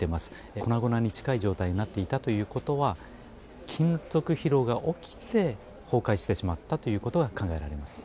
粉々に近い状態になっていたということは、金属疲労が起きて、崩壊してしまったということが考えられます。